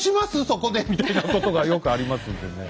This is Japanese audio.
そこで」みたいなことがよくありますんでね。